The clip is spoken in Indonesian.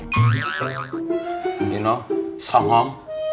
you know sangam